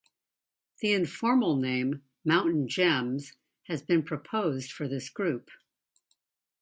The informal name "mountain gems" has been proposed for this group.